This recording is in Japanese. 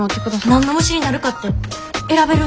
何の虫になるかって選べるんですか？